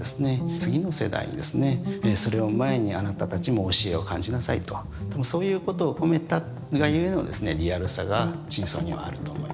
次の世代にですねそれを前にあなたたちも教えを感じなさいとそういうことを込めたがゆえのリアルさが頂相にはあると思います。